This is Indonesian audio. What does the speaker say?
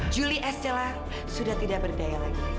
juli estelah sudah tidak berdaya lagi